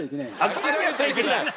「諦めちゃいけない」。